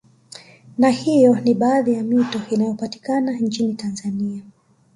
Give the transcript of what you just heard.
Na hiyo ni baadhi ya mito inayopatikana nchini Tanzania